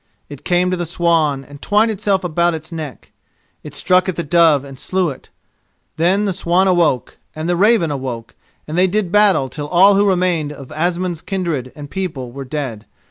It came to the swan and twined itself about its neck. It struck at the dove and slew it. Then the swan awoke and the raven awoke, and they did battle till all who remained of Asmund's kindred and people were dead.